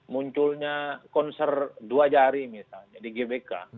munculnya konser dua jari misalnya di gbk